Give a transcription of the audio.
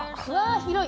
広い！